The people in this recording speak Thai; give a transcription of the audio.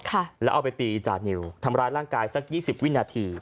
แล้วเอาไปตีจานิวทำร้ายร่างกายสักยี่สิบวินาที